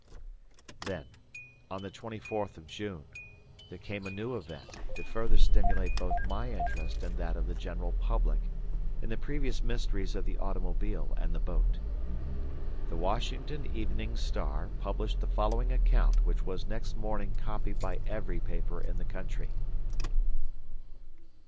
Then, on the twenty fourth of June, there came a new event, to further stimulate both my interest and that of the general public in the previous mysteries of the automobile and the boat. The Washington Evening Star published the following account, which was next morning copied by every paper in the country.